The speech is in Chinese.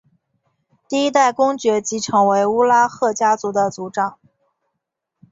第一代公爵即成为乌拉赫家族的族长。